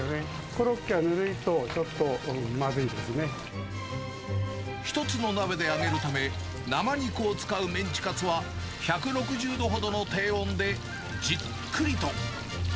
コロッケがぬるいと、ちょっとま１つの鍋で揚げるため、生肉を使うメンチカツは、１６０度ほどの低温でじっくりと。